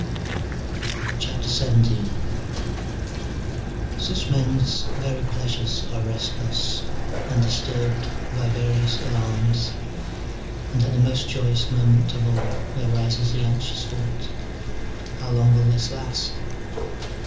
XYII. Such men's very pleasures are restless and dis turbed by various alarms, and at the most joyous moment of all there rises the anxious thought :" How long will this last